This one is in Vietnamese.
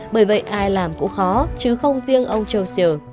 bởi vậy ai làm cũng khó chứ không riêng ông châu siêu